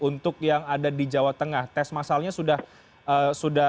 untuk yang ada di jawa tengah tes masalnya sudah